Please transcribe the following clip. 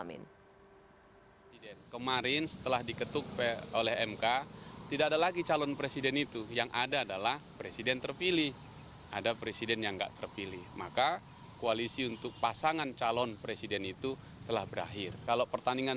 ini partai pengusung jokowi ma'ruf amin